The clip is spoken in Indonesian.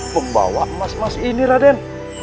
pembawa emas emas ini raden